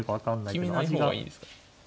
決めない方がいいですか。